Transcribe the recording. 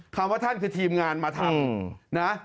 ว่าท่านคือทีมงานมาทำนะ